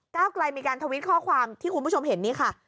ไกลมีการทวิตข้อความที่คุณผู้ชมเห็นนี่ค่ะ